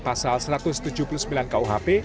pasal satu ratus tujuh puluh sembilan kuhp